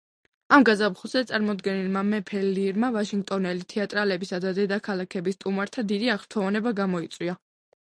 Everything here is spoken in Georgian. ამ გაზაფხულზე წარმოდგენილმა „მეფე ლირმა“ ვაშინგტონელი თეატრალებისა და დედაქალაქის სტუმართა დიდი აღფრთოვანება გამოიწვია.